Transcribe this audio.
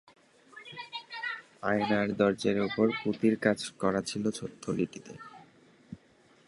আয়নার দেরাজের উপর তার পুঁতির কাজ-করা থলিটি ছিল।